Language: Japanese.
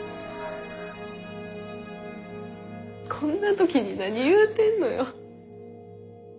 こんな時に何言うてんのよ。